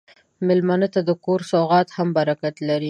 مېلمه ته د کور سوغات هم برکت لري.